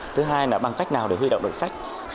thứ hai là bằng cách nào để huy động được sách